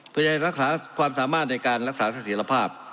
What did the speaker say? เพื่อให้รักษาความสามารถในการรักษาสถิษฐภาพ